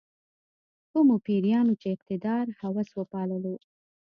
کومو پیریانو چې اقتدار هوس وپاللو.